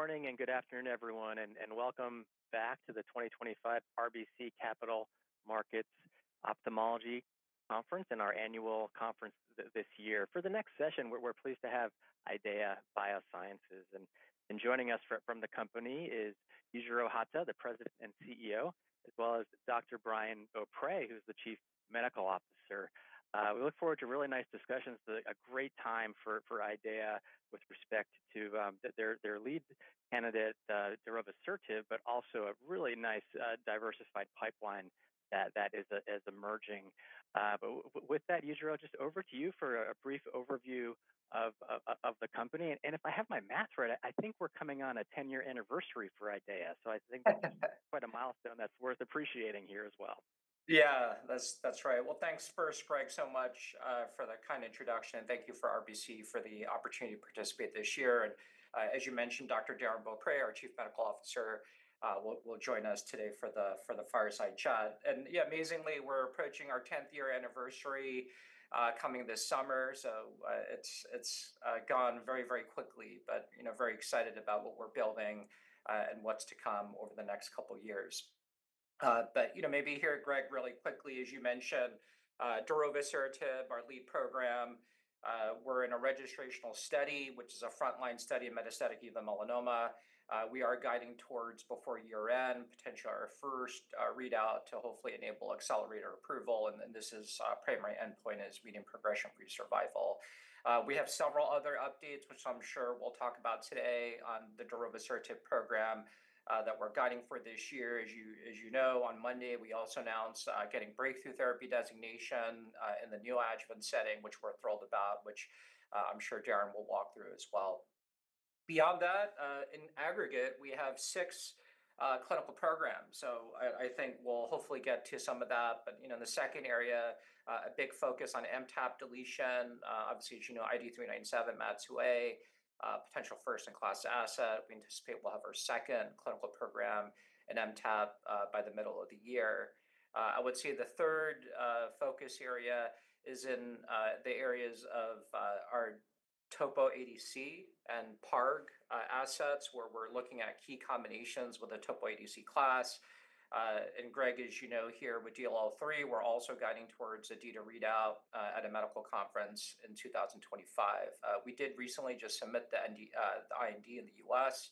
Great. Good morning and good afternoon, everyone, and welcome back to the 2025 RBC Capital Markets Ophthalmology Conference and our annual conference this year. For the next session, we're pleased to have IDEAYA Biosciences. Joining us from the company is Yujiro S. Hata, the President and CEO, as well as Dr. Darrin M. Beaupre, who's the Chief Medical Officer. We look forward to really nice discussions. A great time for IDEAYA with respect to their lead candidate, darovasertib, but also a really nice diversified pipeline that is emerging. With that, Yujiro, over to you for a brief overview of the company. If I have my math right, I think we're coming on a 10-year anniversary for IDEAYA, so I think that's quite a milestone that's worth appreciating here as well. Yeah, that's right. Thank you first, Greg, so much for the kind introduction. Thank you to RBC for the opportunity to participate this year. As you mentioned, Dr. Darrin M. Beaupre, our Chief Medical Officer, will join us today for the fireside chat. Amazingly, we're approaching our 10th year anniversary coming this summer. It has gone very, very quickly, but very excited about what we're building and what's to come over the next couple of years. Maybe here, Greg, really quickly, as you mentioned, darovasertib, our lead program, we're in a registrational study, which is a frontline study of metastatic uveal melanoma. We are guiding towards before year-end, potentially our first readout to hopefully enable accelerated approval. This primary endpoint is median progression-free survival. We have several other updates, which I'm sure we'll talk about today on the darovasertib program that we're guiding for this year. As you know, on Monday, we also announced getting Breakthrough Therapy Designation in the neoadjuvant setting, which we're thrilled about, which I'm sure Darrin will walk through as well. Beyond that, in aggregate, we have six clinical programs. I think we'll hopefully get to some of that. In the second area, a big focus on MTAP deletion. Obviously, as you know, IDE397, MAT2A, potential first-in-class asset. We anticipate we'll have our second clinical program in MTAP by the middle of the year. I would say the third focus area is in the areas of our topo ADC and PARG assets, where we're looking at key combinations with a topo ADC class. Greg, as you know, here with DLL3, we're also guiding towards a data readout at a medical conference in 2025. We did recently just submit the IND in the U.S.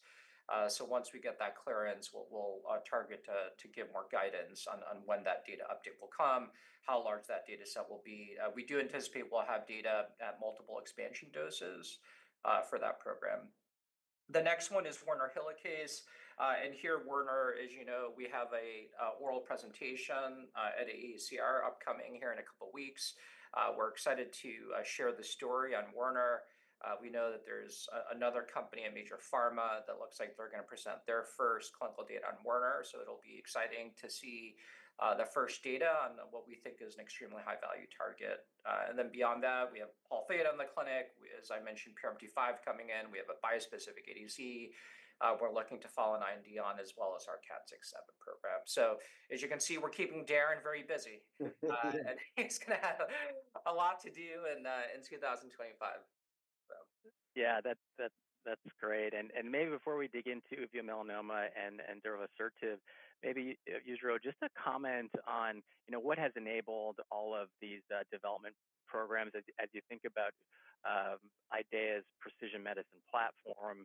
Once we get that clearance, we'll target to give more guidance on when that data update will come, how large that data set will be. We do anticipate we'll have data at multiple expansion doses for that program. The next one is Werner Helicase. Here, Werner, as you know, we have an oral presentation at AACR upcoming here in a couple of weeks. We're excited to share the story on Werner. We know that there's another company, a major pharma, that looks like they're going to present their first clinical data on Werner. It will be exciting to see the first data on what we think is an extremely high-value target. Beyond that, we have Pol Theta in the clinic. As I mentioned, PRMT5 coming in. We have a bispecific ADC we're looking to follow an IND on, as well as our KAT6 program. As you can see, we're keeping Darrin very busy. He's going to have a lot to do in 2025. Yeah, that's great. Maybe before we dig into uveal melanoma and darovasertib, maybe, Yujiro, just a comment on what has enabled all of these development programs as you think about IDEAYA's precision medicine platform,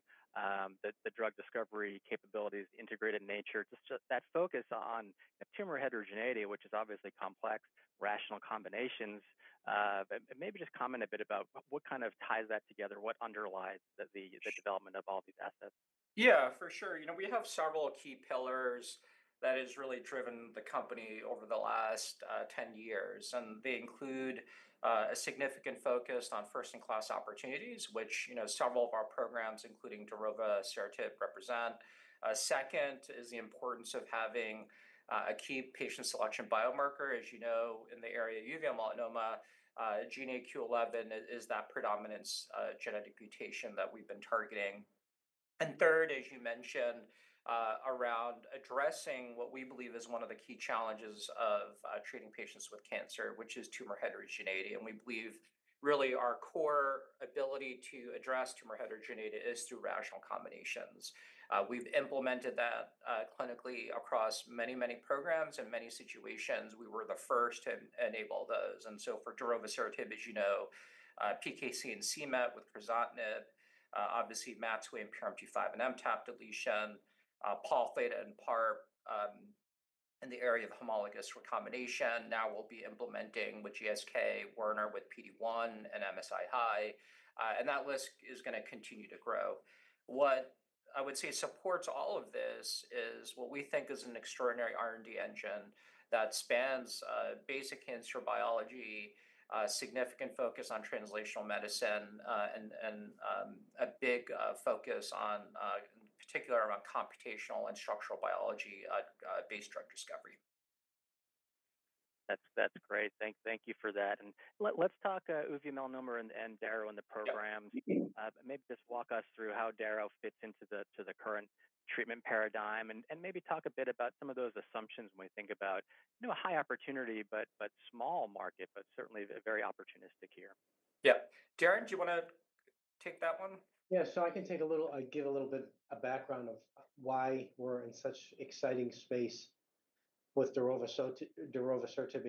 the drug discovery capabilities, integrated nature, just that focus on tumor heterogeneity, which is obviously complex, rational combinations. Maybe just comment a bit about what kind of ties that together, what underlies the development of all these assets. Yeah, for sure. We have several key pillars that have really driven the company over the last 10 years. They include a significant focus on first-in-class opportunities, which several of our programs, including darovasertib, represent. Second is the importance of having a key patient selection biomarker. As you know, in the area of uveal melanoma, GNAQ/GNA11 is that predominant genetic mutation that we've been targeting. Third, as you mentioned, around addressing what we believe is one of the key challenges of treating patients with cancer, which is tumor heterogeneity. We believe really our core ability to address tumor heterogeneity is through rational combinations. We've implemented that clinically across many, many programs and many situations. We were the first to enable those. For darovasertib, as you know, PKC and c-MET with crizotinib, obviously MAT2A in PRMT5 and MTAP deletion, Pol theta and PARG in the area of homologous recombination. Now we'll be implementing with GSK, Werner with PD1, and MSI high. That list is going to continue to grow. What I would say supports all of this is what we think is an extraordinary R&D engine that spans basic cancer biology, significant focus on translational medicine, and a big focus on, in particular, computational and structural biology-based drug discovery. That's great. Thank you for that. Let's talk uveal melanoma and darovasertib and the programs. Maybe just walk us through how darovasertib fits into the current treatment paradigm and maybe talk a bit about some of those assumptions when we think about a high opportunity, but small market, but certainly very opportunistic here. Yeah. Darrin, do you want to take that one? Yeah, I can take a little, give a little bit of background of why we're in such exciting space with darovasertib and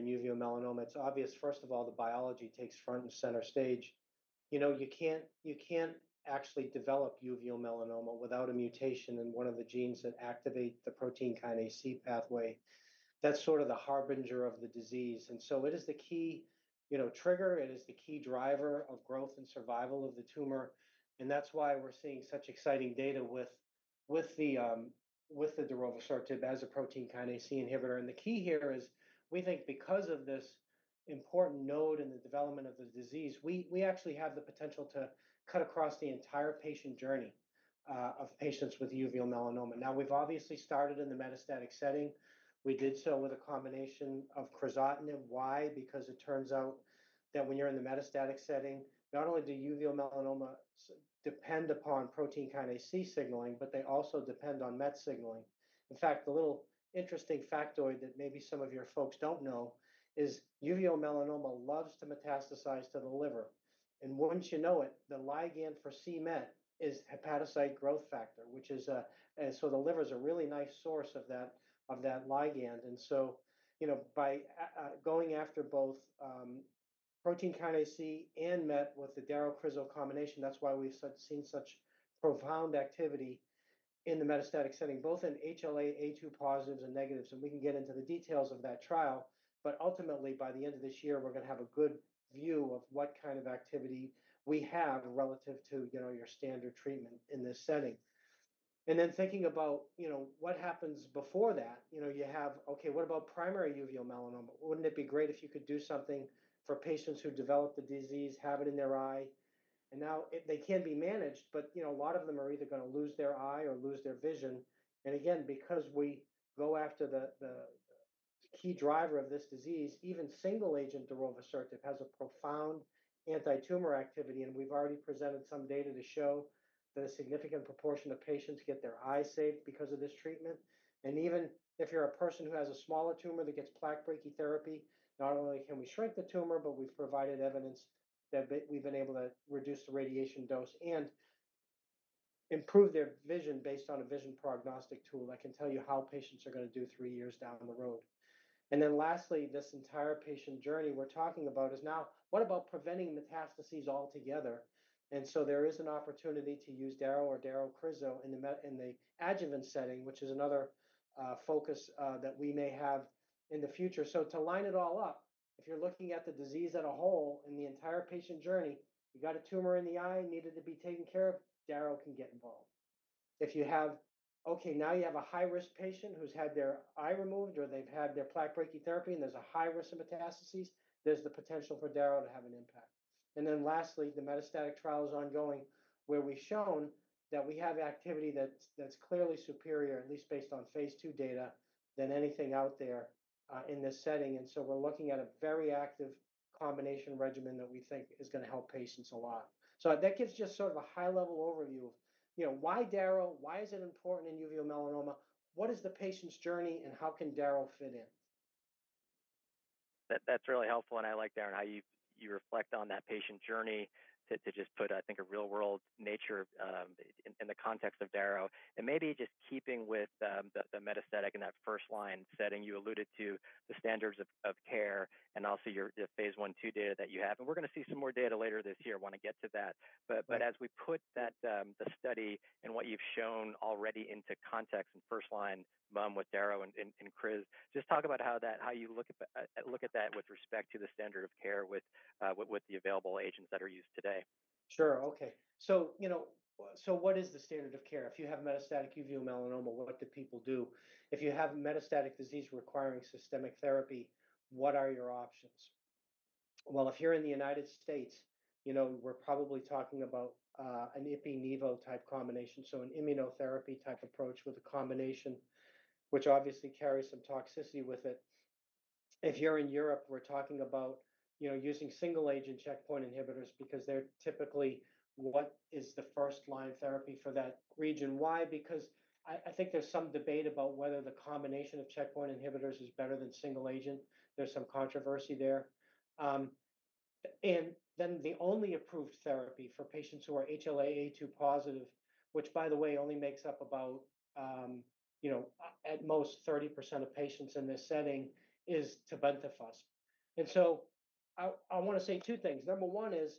uveal melanoma. It's obvious, first of all, the biology takes front and center stage. You can't actually develop uveal melanoma without a mutation in one of the genes that activate the protein kinase C pathway. That's sort of the harbinger of the disease. It is the key trigger. It is the key driver of growth and survival of the tumor. That's why we're seeing such exciting data with darovasertib as a protein kinase C inhibitor. The key here is we think because of this important node in the development of the disease, we actually have the potential to cut across the entire patient journey of patients with uveal melanoma. Now, we've obviously started in the metastatic setting. We did so with a combination of Crizotinib. Why? Because it turns out that when you're in the metastatic setting, not only do uveal melanoma depend upon protein kinase C signaling, but they also depend on MET signaling. In fact, the little interesting factoid that maybe some of your folks don't know is uveal melanoma loves to metastasize to the liver. Once you know it, the ligand for CMET is hepatocyte growth factor, which is so the liver is a really nice source of that ligand. By going after both protein kinase C and MET with the Darovasertib-Crizotinib combination, that's why we've seen such profound activity in the metastatic setting, both in HLA-A2 positives and negatives. We can get into the details of that trial. Ultimately, by the end of this year, we're going to have a good view of what kind of activity we have relative to your standard treatment in this setting. Thinking about what happens before that, you have, okay, what about primary uveal melanoma? Wouldn't it be great if you could do something for patients who develop the disease, have it in their eye? Now they can be managed, but a lot of them are either going to lose their eye or lose their vision. Again, because we go after the key driver of this disease, even single-agent darovasertib has a profound anti-tumor activity. We've already presented some data to show that a significant proportion of patients get their eyes saved because of this treatment. Even if you're a person who has a smaller tumor that gets plaque brachytherapy, not only can we shrink the tumor, but we've provided evidence that we've been able to reduce the radiation dose and improve their vision based on a vision prognostic tool that can tell you how patients are going to do three years down the road. Lastly, this entire patient journey we're talking about is now, what about preventing metastases altogether? There is an opportunity to use darovasertib or darovasertib-crizotinib in the adjuvant setting, which is another focus that we may have in the future. To line it all up, if you're looking at the disease as a whole in the entire patient journey, you got a tumor in the eye needed to be taken care of, darovasertib can get involved. If you have, okay, now you have a high-risk patient who's had their eye removed or they've had their plaque brachytherapy and there's a high risk of metastases, there's the potential for Darovasertib to have an impact. Lastly, the metastatic trial is ongoing where we've shown that we have activity that's clearly superior, at least based on phase two data, than anything out there in this setting. We are looking at a very active combination regimen that we think is going to help patients a lot. That gives just sort of a high-level overview of why Darovasertib, why is it important in uveal melanoma, what is the patient's journey, and how can Darovasertib fit in? That's really helpful. I like, Darrin, how you reflect on that patient journey to just put, I think, a real-world nature in the context of Darovasertib. Maybe just keeping with the metastatic in that first-line setting, you alluded to the standards of care and also your phase one-two data that you have. We're going to see some more data later this year. I want to get to that. As we put the study and what you've shown already into context in first-line metastatic uveal melanoma with Darovasertib and Crizotinib, just talk about how you look at that with respect to the standard of care with the available agents that are used today. Sure. Okay. What is the standard of care? If you have metastatic uveal melanoma, what do people do? If you have metastatic disease requiring systemic therapy, what are your options? If you're in the United States, we're probably talking about an Ipi-Nivo mbination, so an immunotherapy type approach with a combination, which obviously carries some toxicity with it. If you're in Europe, we're talking about using single-agent checkpoint inhibitors because they're typically what is the first-line therapy for that region. Why? I think there's some debate about whether the combination of checkpoint inhibitors is better than single-agent. There's some controversy there. The only approved therapy for patients who are HLA-A2 positive, which, by the way, only makes up about at most 30% of patients in this setting, is Tebentafusp. I want to say two things. Number one is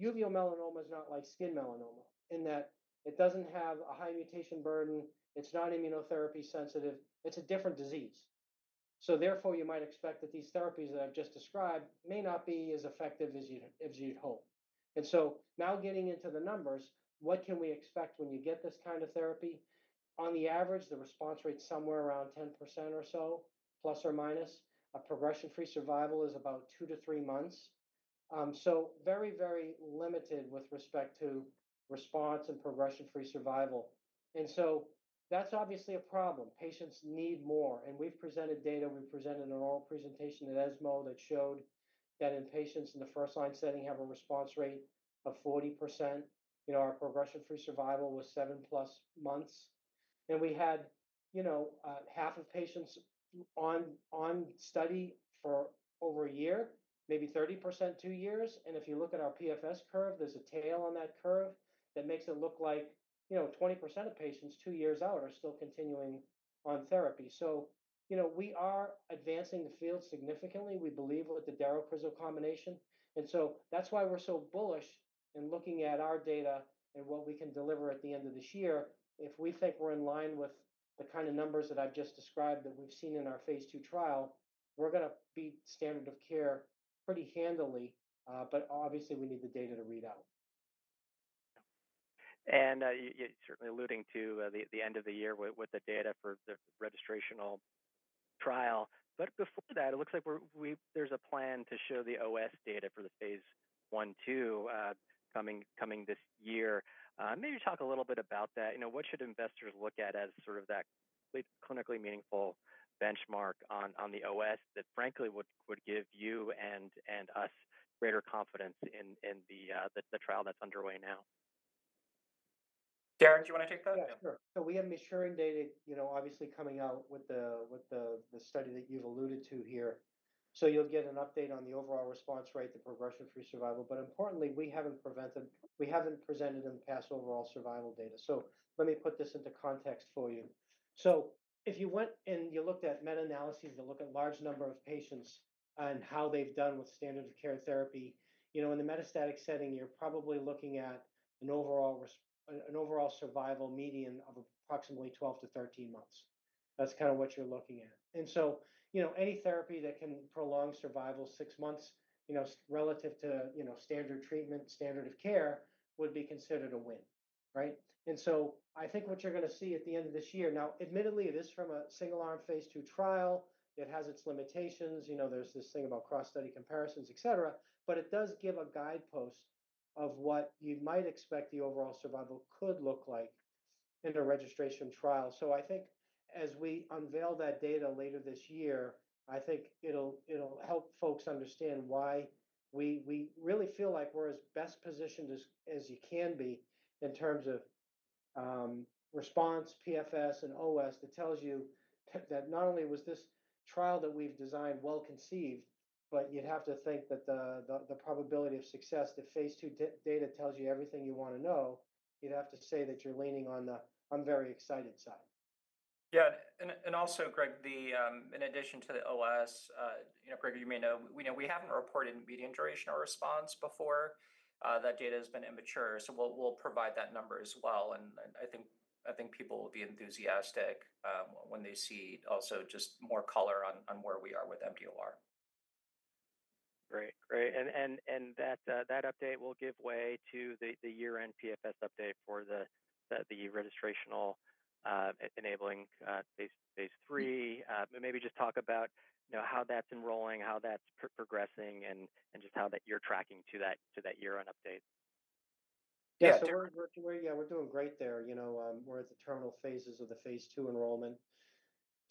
uveal melanoma is not like skin melanoma in that it doesn't have a high mutation burden. It's not immunotherapy sensitive. It's a different disease. Therefore, you might expect that these therapies that I've just described may not be as effective as you'd hope. Now getting into the numbers, what can we expect when you get this kind of therapy? On the average, the response rate is somewhere around 10% or so, plus or minus. Progression-free survival is about two to three months. Very, very limited with respect to response and progression-free survival. That's obviously a problem. Patients need more. We've presented data. We presented an oral presentation at ESMO that showed that in patients in the first-line setting have a response rate of 40%. Our progression-free survival was seven-plus months. We had half of patients on study for over a year, maybe 30% two years. If you look at our PFS curve, there's a tail on that curve that makes it look like 20% of patients two years out are still continuing on therapy. We are advancing the field significantly, we believe, with the darovasertib-crizotinib combination. That's why we're so bullish in looking at our data and what we can deliver at the end of this year. If we think we're in line with the kind of numbers that I've just described that we've seen in our phase two trial, we're going to beat standard of care pretty handily, but obviously, we need the data to read out. Certainly alluding to the end of the year with the data for the registrational trial. Before that, it looks like there's a plan to show the OS data for the phase one-two coming this year. Maybe talk a little bit about that. What should investors look at as sort of that clinically meaningful benchmark on the OS that, frankly, would give you and us greater confidence in the trial that's underway now? Darrin, do you want to take that? Yeah. We have maturing data, obviously, coming out with the study that you've alluded to here. You'll get an update on the overall response rate, the progression-free survival. Importantly, we haven't presented in the past overall survival data. Let me put this into context for you. If you went and you looked at meta-analyses, you look at a large number of patients and how they've done with standard of care therapy, in the metastatic setting, you're probably looking at an overall survival median of approximately 12-13 months. That's kind of what you're looking at. Any therapy that can prolong survival six months relative to standard treatment, standard of care would be considered a win, right? I think what you're going to see at the end of this year, now, admittedly, it is from a single-arm phase two trial. It has its limitations. There's this thing about cross-study comparisons, etc. It does give a guidepost of what you might expect the overall survival could look like in a registration trial. I think as we unveil that data later this year, I think it'll help folks understand why we really feel like we're as best positioned as you can be in terms of response, PFS, and OS that tells you that not only was this trial that we've designed well conceived, but you'd have to think that the probability of success to phase two data tells you everything you want to know. You'd have to say that you're leaning on the, "I'm very excited" side. Yeah. Also, Greg, in addition to the OS, Greg, you may know, we haven't reported median duration of response before. That data has been immature. We'll provide that number as well. I think people will be enthusiastic when they see also just more color on where we are with MDOR. Great. Great. That update will give way to the year-end PFS update for the registrational enabling phase three. Maybe just talk about how that's enrolling, how that's progressing, and just how you're tracking to that year-end update. Yeah. We're doing great there. We're at the terminal phases of the phase two enrollment.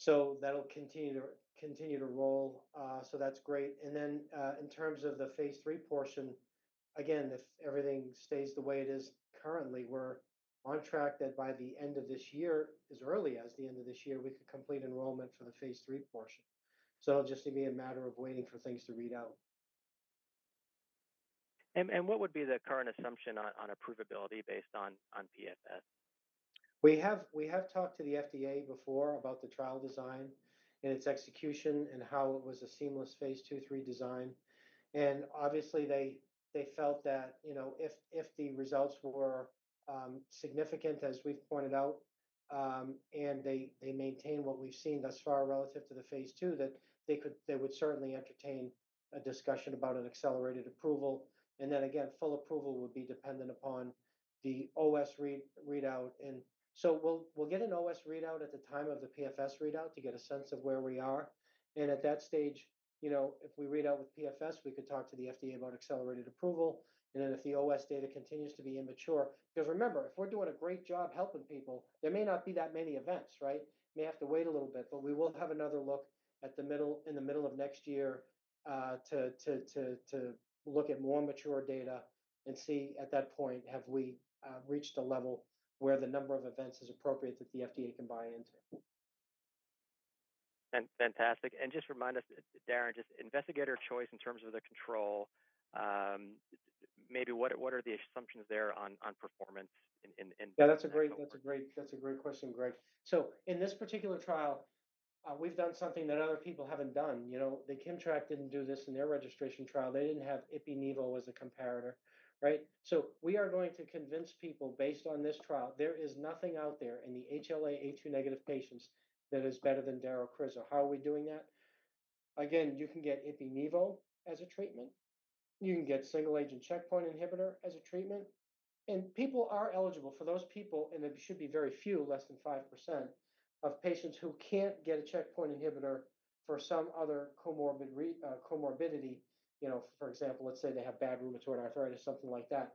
That'll continue to roll. That's great. In terms of the phase three portion, again, if everything stays the way it is currently, we're on track that by the end of this year, as early as the end of this year, we could complete enrollment for the phase three portion. It'll just be a matter of waiting for things to read out. What would be the current assumption on approvability based on PFS? We have talked to the FDA before about the trial design and its execution and how it was a seamless phase two-three design. Obviously, they felt that if the results were significant, as we've pointed out, and they maintain what we've seen thus far relative to the phase two, they would certainly entertain a discussion about an accelerated approval. Full approval would be dependent upon the OS readout. We will get an OS readout at the time of the PFS readout to get a sense of where we are. At that stage, if we read out with PFS, we could talk to the FDA about accelerated approval. If the OS data continues to be immature because remember, if we're doing a great job helping people, there may not be that many events, right? We may have to wait a little bit, but we will have another look in the middle of next year to look at more mature data and see at that point, have we reached a level where the number of events is appropriate that the FDA can buy into? Fantastic. Just remind us, Darrin, just investigator choice in terms of the control, maybe what are the assumptions there on performance in? Yeah, that's a great question, Greg. In this particular trial, we've done something that other people haven't done. The Kimmtrak didn't do this in their registration trial. They didn't have IPI-NIVO as a comparator, right? We are going to convince people based on this trial, there is nothing out there in the HLA-A2 negative patients that is better than darovasertib-crizotinib. How are we doing that? Again, you can get IPI-NIVO as a treatment. You can get single-agent checkpoint inhibitor as a treatment. People are eligible for those, and it should be very few, less than 5% of patients who can't get a checkpoint inhibitor for some other comorbidity. For example, let's say they have bad rheumatoid arthritis, something like that.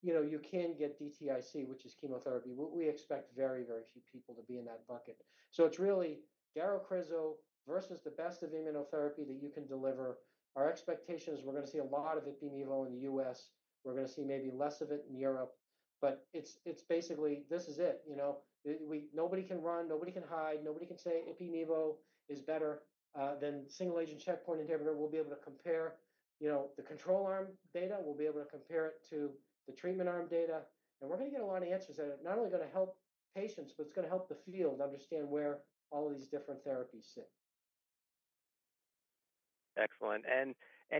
You can get dacarbazine, which is chemotherapy. We expect very, very few people to be in that bucket. It's really darovasertib-crizotinib versus the best of immunotherapy that you can deliver. Our expectation is we're going to see a lot of IPI-NIVO in the US. We're going to see maybe less of it in Europe. It's basically, this is it. Nobody can run, nobody can hide. Nobody can say IPI-NIVO is better than single-agent checkpoint inhibitor. We'll be able to compare the control arm data. We'll be able to compare it to the treatment arm data. We're going to get a lot of answers that are not only going to help patients, but it's going to help the field understand where all of these different therapies sit. Excellent.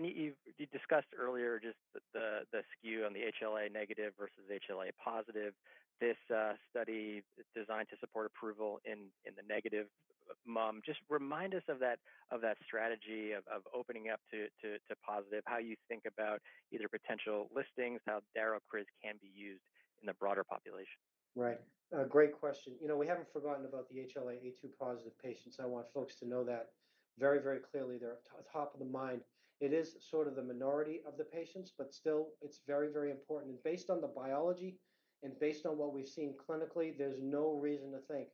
You discussed earlier just the SKU on the HLA negative versus HLA positive. This study is designed to support approval in the negative mom. Just remind us of that strategy of opening up to positive, how you think about either potential listings, how Darrow-Crizzo can be used in the broader population. Right. Great question. We haven't forgotten about the HLA-A2 positive patients. I want folks to know that very, very clearly. They're top of the mind. It is sort of the minority of the patients, but still, it's very, very important. Based on the biology and based on what we've seen clinically, there's no reason to think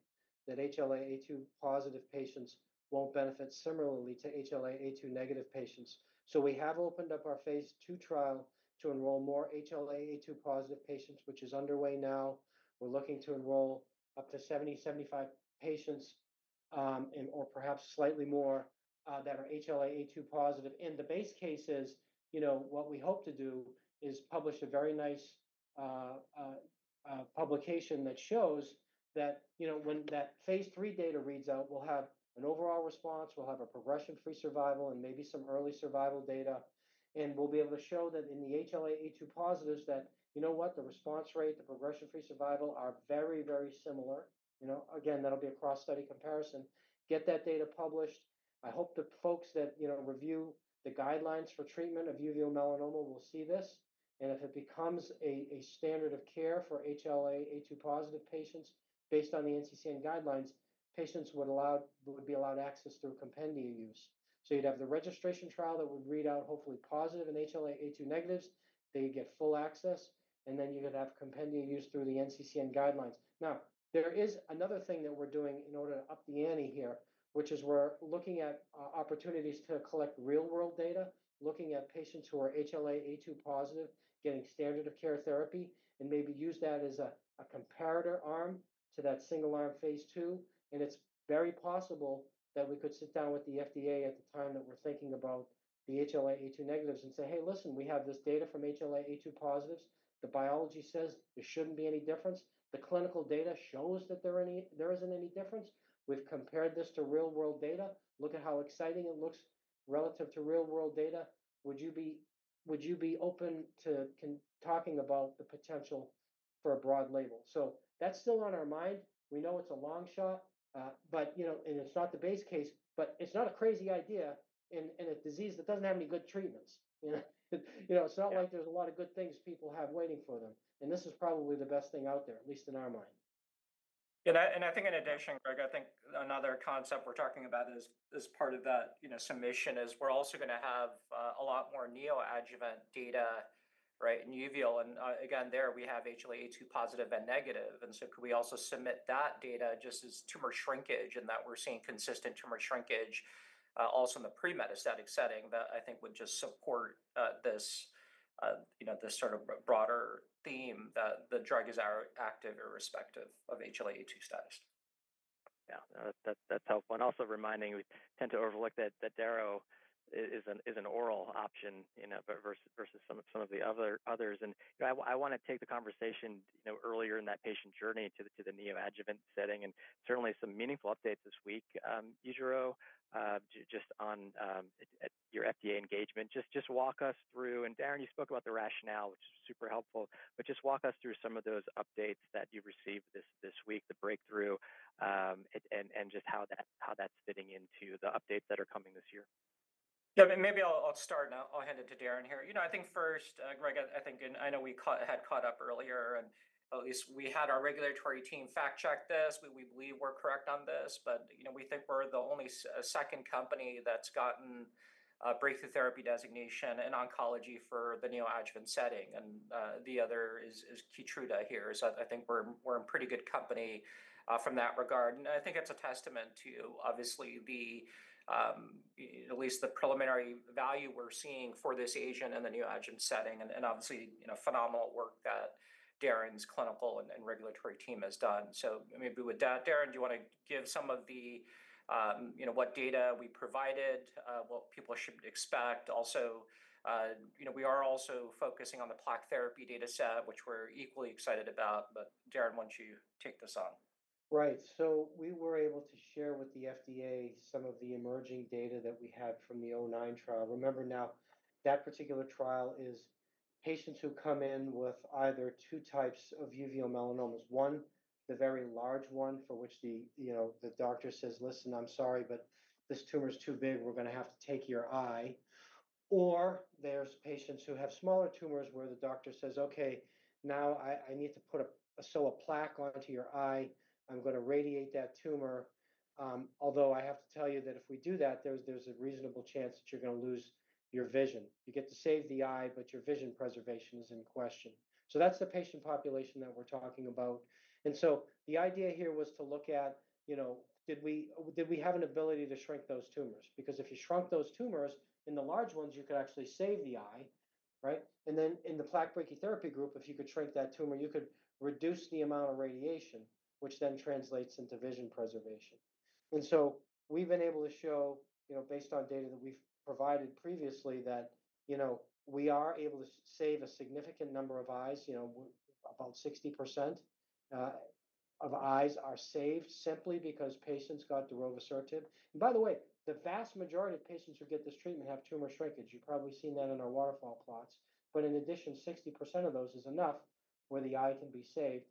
that HLA-A2 positive patients won't benefit similarly to HLA-A2 negative patients. We have opened up our phase two trial to enroll more HLA-A2 positive patients, which is underway now. We're looking to enroll up to 70-75 patients or perhaps slightly more that are HLA-A2 positive. The base case is what we hope to do is publish a very nice publication that shows that when that phase three data reads out, we'll have an overall response. We'll have a progression-free survival and maybe some early survival data. We'll be able to show that in the HLA-A2 positives that, you know what, the response rate, the progression-free survival are very, very similar. Again, that'll be a cross-study comparison. Get that data published. I hope the folks that review the guidelines for treatment of uveal melanoma will see this. If it becomes a standard of care for HLA-A2 positive patients based on the NCCN guidelines, patients would be allowed access through compendia use. You'd have the registration trial that would read out hopefully positive and HLA-A2 negatives. They'd get full access. Then you'd have compendia used through the NCCN guidelines. Now, there is another thing that we're doing in order to up the ante here, which is we're looking at opportunities to collect real-world data, looking at patients who are HLA-A2 positive, getting standard of care therapy, and maybe use that as a comparator arm to that single-arm phase two. It is very possible that we could sit down with the FDA at the time that we're thinking about the HLA-A2 negatives and say, "Hey, listen, we have this data from HLA-A2 positives. The biology says there shouldn't be any difference. The clinical data shows that there isn't any difference. We've compared this to real-world data. Look at how exciting it looks relative to real-world data. Would you be open to talking about the potential for a broad label?" That is still on our mind. We know it's a long shot, and it's not the base case, but it's not a crazy idea in a disease that doesn't have any good treatments. It's not like there's a lot of good things people have waiting for them. This is probably the best thing out there, at least in our mind. I think in addition, Greg, I think another concept we're talking about as part of that submission is we're also going to have a lot more neoadjuvant data in uveal. Again, there we have HLA-A2 positive and negative. Could we also submit that data just as tumor shrinkage and that we're seeing consistent tumor shrinkage also in the pre-metastatic setting that I think would just support this sort of broader theme that the drug is active irrespective of HLA-A2 status? Yeah. That's helpful. Also reminding, we tend to overlook that Darovasertib is an oral option versus some of the others. I want to take the conversation earlier in that patient journey to the neoadjuvant setting and certainly some meaningful updates this week, Yujiro, just on your FDA engagement. Just walk us through, and Darrin, you spoke about the rationale, which is super helpful, but just walk us through some of those updates that you've received this week, the breakthrough, and just how that's fitting into the updates that are coming this year. Yeah. Maybe I'll start, and I'll hand it to Darrin here. I think first, Greg, I think I know we had caught up earlier, and at least we had our regulatory team fact-check this. We believe we're correct on this, but we think we're the only second company that's gotten Breakthrough Therapy Designation in oncology for the neoadjuvant setting. The other is Keytruda here. I think we're in pretty good company from that regard. I think it's a testament to, obviously, at least the preliminary value we're seeing for this agent in the neoadjuvant setting and obviously phenomenal work that Darrin's clinical and regulatory team has done. Maybe with that, Darrin, do you want to give some of what data we provided, what people should expect? Also, we are also focusing on the plaque brachytherapy data set, which we're equally excited about, but Darrin, why don't you take this on? Right. We were able to share with the FDA some of the emerging data that we had from the OM trial. Remember now, that particular trial is patients who come in with either two types of uveal melanomas. One, the very large one for which the doctor says, "Listen, I'm sorry, but this tumor is too big. We're going to have to take your eye." There are patients who have smaller tumors where the doctor says, "Okay, now I need to sew a plaque onto your eye. I'm going to radiate that tumor." Although I have to tell you that if we do that, there's a reasonable chance that you're going to lose your vision. You get to save the eye, but your vision preservation is in question. That is the patient population that we're talking about. The idea here was to look at, did we have an ability to shrink those tumors? Because if you shrunk those tumors, in the large ones, you could actually save the eye, right? In the plaque brachytherapy group, if you could shrink that tumor, you could reduce the amount of radiation, which then translates into vision preservation. We have been able to show, based on data that we've provided previously, that we are able to save a significant number of eyes. About 60% of eyes are saved simply because patients got darovasertib. By the way, the vast majority of patients who get this treatment have tumor shrinkage. You've probably seen that in our waterfall plots. In addition, 60% of those is enough where the eye can be saved.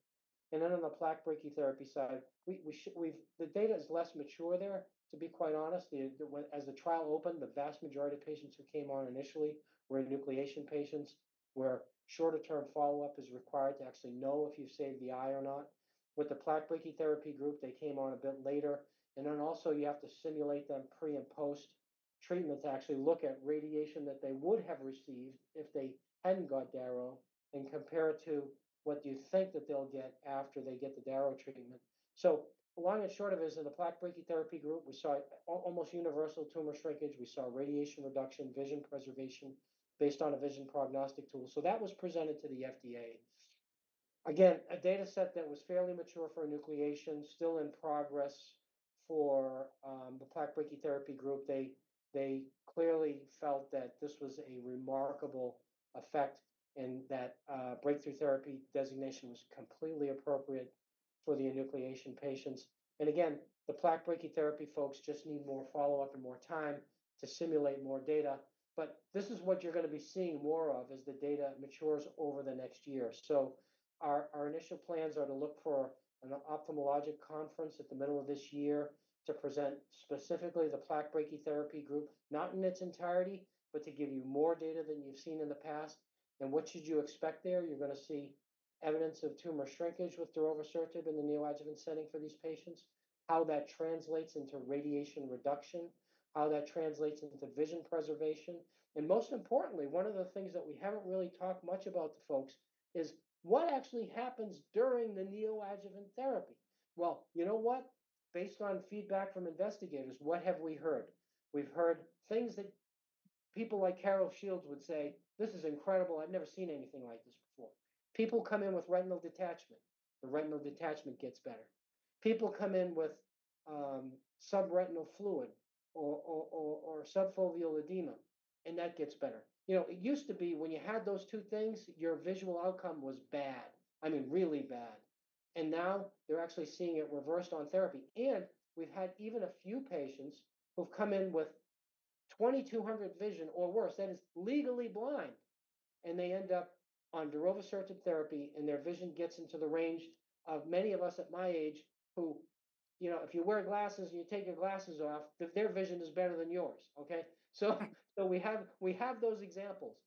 On the plaque brachytherapy side, the data is less mature there, to be quite honest. As the trial opened, the vast majority of patients who came on initially were enucleation patients where shorter-term follow-up is required to actually know if you've saved the eye or not. With the plaque brachytherapy group, they came on a bit later. You have to simulate them pre and post treatment to actually look at radiation that they would have received if they hadn't got Darovasertib and compare it to what you think that they'll get after they get the Darovasertib treatment. Long and short of it, in the plaque brachytherapy group, we saw almost universal tumor shrinkage. We saw radiation reduction, vision preservation based on a vision prognostic tool. That was presented to the FDA. Again, a data set that was fairly mature for enucleation, still in progress for the plaque brachytherapy group. They clearly felt that this was a remarkable effect and that Breakthrough Therapy Designation was completely appropriate for the enucleation patients. The plaque brachytherapy folks just need more follow-up and more time to simulate more data. This is what you're going to be seeing more of as the data matures over the next year. Our initial plans are to look for an ophthalmologic conference at the middle of this year to present specifically the plaque brachytherapy group, not in its entirety, but to give you more data than you've seen in the past. What should you expect there? You're going to see evidence of tumor shrinkage with darovasertib in the neoadjuvant setting for these patients, how that translates into radiation reduction, how that translates into vision preservation. Most importantly, one of the things that we haven't really talked much about, folks, is what actually happens during the neoadjuvant therapy. You know what? Based on feedback from investigators, what have we heard? We've heard things that people like Carol Shields would say, "This is incredible. I've never seen anything like this before." People come in with retinal detachment. The retinal detachment gets better. People come in with subretinal fluid or subfoveal edema, and that gets better. It used to be when you had those two things, your visual outcome was bad. I mean, really bad. Now they're actually seeing it reversed on therapy. We've had even a few patients who've come in with 2,200 vision or worse. That is legally blind. They end up on darovasertib therapy, and their vision gets into the range of many of us at my age who, if you wear glasses and you take your glasses off, their vision is better than yours. Okay? We have those examples.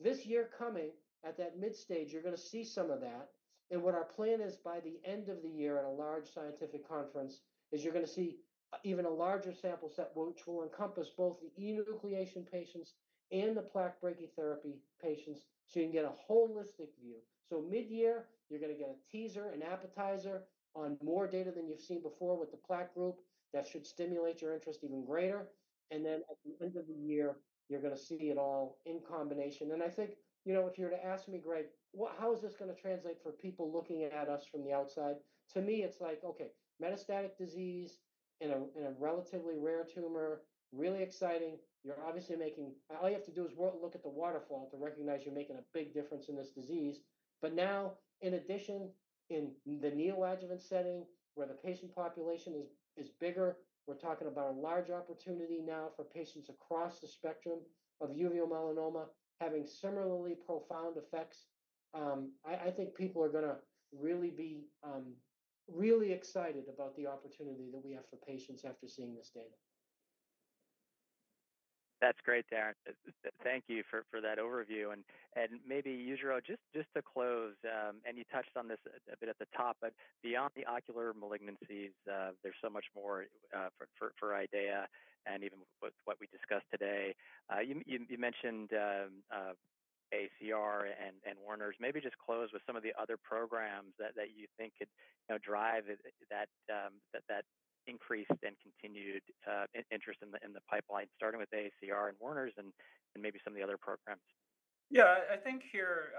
This year coming, at that mid-stage, you're going to see some of that. What our plan is by the end of the year at a large scientific conference is you're going to see even a larger sample set which will encompass both the enucleation patients and the plaque brachytherapy patients so you can get a holistic view. Mid-year, you're going to get a teaser, an appetizer on more data than you've seen before with the plaque group. That should stimulate your interest even greater. At the end of the year, you're going to see it all in combination. If you were to ask me, "Greg, how is this going to translate for people looking at us from the outside?" To me, it's like, "Okay, metastatic disease in a relatively rare tumor, really exciting." You're obviously making all you have to do is look at the waterfall to recognize you're making a big difference in this disease. Now, in addition, in the neoadjuvant setting where the patient population is bigger, we're talking about a large opportunity now for patients across the spectrum of uveal melanoma having similarly profound effects. I think people are going to really be really excited about the opportunity that we have for patients after seeing this data. That's great, Darrin. Thank you for that overview. Maybe, Yujiro, just to close, and you touched on this a bit at the top, but beyond the ocular malignancies, there's so much more for IDEAYA and even what we discussed today. You mentioned AACR and Werner Helicase. Maybe just close with some of the other programs that you think could drive that increased and continued interest in the pipeline, starting with AACR and Werner Helicase and maybe some of the other programs. Yeah. I think here,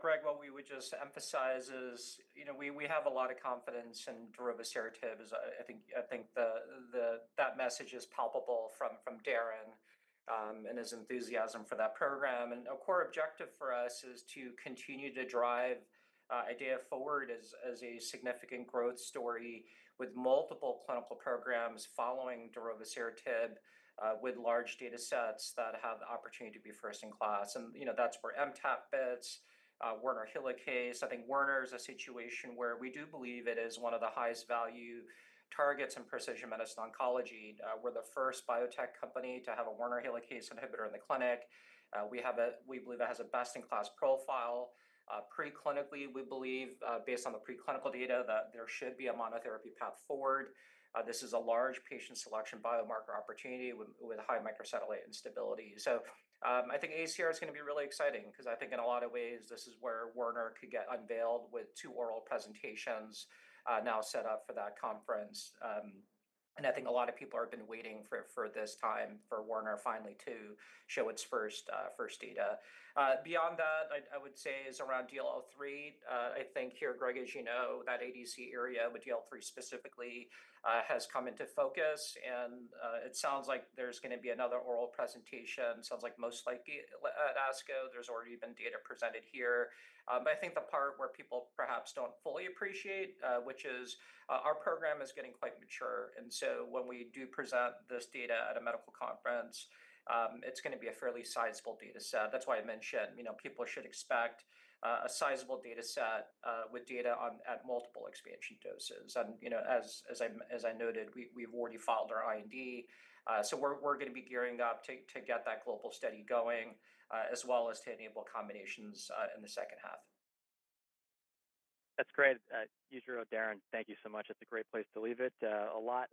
Greg, what we would just emphasize is we have a lot of confidence in darovasertib. I think that message is palpable from Darrin and his enthusiasm for that program. A core objective for us is to continue to drive IDEAYA forward as a significant growth story with multiple clinical programs following darovasertib with large data sets that have the opportunity to be first in class. That is where MTAP fits, Werner Helicase. I think Werner is a situation where we do believe it is one of the highest value targets in precision medicine oncology. We are the first biotech company to have a Werner Helicase inhibitor in the clinic. We believe it has a best-in-class profile. Pre-clinically, we believe, based on the pre-clinical data, that there should be a monotherapy path forward. This is a large patient selection biomarker opportunity with high microsatellite instability. I think AACR is going to be really exciting because I think in a lot of ways, this is where Werner could get unveiled with two oral presentations now set up for that conference. I think a lot of people have been waiting for this time for Werner finally to show its first data. Beyond that, I would say is around DLL3. I think here, Greg, as you know, that ADC area with DLL3 specifically has come into focus. It sounds like there's going to be another oral presentation. Sounds like most likely at ASCO, there's already been data presented here. I think the part where people perhaps don't fully appreciate, which is our program is getting quite mature. When we do present this data at a medical conference, it's going to be a fairly sizable data set. is why I mentioned people should expect a sizable data set with data at multiple expansion doses. As I noted, we have already filed our IND. We are going to be gearing up to get that global study going as well as to enable combinations in the second half. That's great. Yujiro, Darrin, thank you so much. It's a great place to leave it. A lot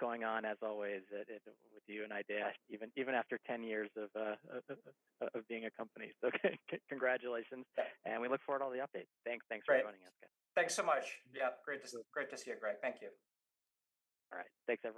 going on, as always, with you and IDEAYA, even after 10 years of being a company. Congratulations. We look forward to all the updates. Thanks for joining us, guys. Thanks so much. Yeah, great to see you, Greg. Thank you. All right. Thanks so much.